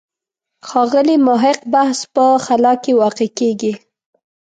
ښاغلي محق بحث په خلا کې واقع کېږي.